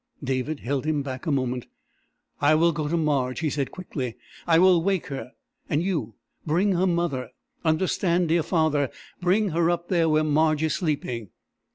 David held him back a moment. "I will go to Marge," he said quickly. "I will wake her. And you bring her mother. Understand, dear Father? Bring her up there, where Marge is sleeping...."